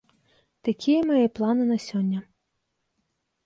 Такія мае планы на сёння.